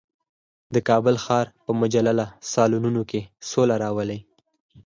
د کابل ښار په مجللو سالونونو کې سوله راولي.